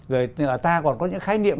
rồi ta còn có những khái niệm